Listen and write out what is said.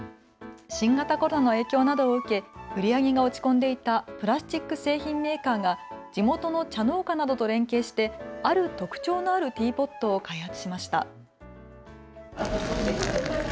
新型コロナの影響などを受け売り上げが落ち込んでいたプラスチック製品メーカーが地元の茶農家などと連携してある特徴のあるティーポットを開発しました。